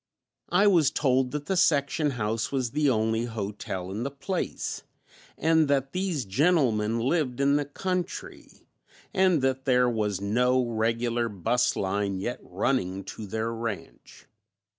I was told that the section house was the only hotel in the place and that these gentlemen lived in the country and that there was no regular bus line yet running to their ranch.